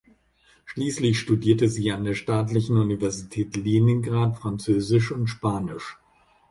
Schließlich studierte sie an der "Staatlichen Universität Leningrad" Französisch und Spanisch.